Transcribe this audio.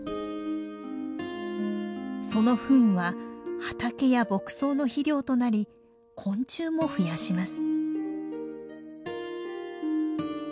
そのふんは畑や牧草の肥料となり昆虫も増やします。